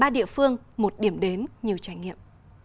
ba địa phương một điểm đến nhiều trải nghiệm